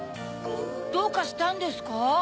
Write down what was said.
どうかしたんですか？